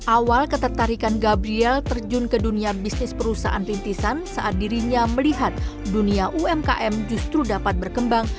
awal ketertarikan gabriel terjun ke dunia bisnis perusahaan rintisan saat dirinya melihat dunia umkm justru dapat berkembang